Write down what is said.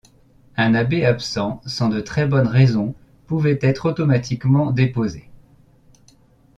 Un abbé absent sans de très bonnes raisons pouvait être automatiquement déposé.